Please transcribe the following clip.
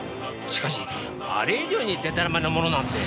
しかしあれ以上にでたらめなものなんて。